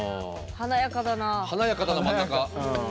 華やかだな真ん中。